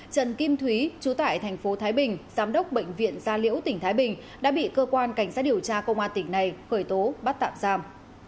trần kim thúy chú tại thành phố thái bình giám đốc bệnh viện gia liễu tỉnh thái bình đã bị cơ quan cảnh sát điều tra công an tỉnh này khởi tố bắt tạm giam